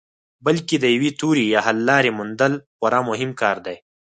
بلکې د یوې تیورۍ یا حللارې موندل خورا مهم کار دی.